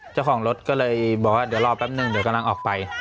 เจ้าของรถก็เลยบอกว่าเดี๋ยวรอแป๊บนึงเดี๋ยวกำลังออกไป